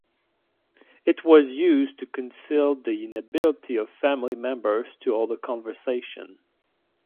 It was used to conceal the inability of family members to hold a conversation.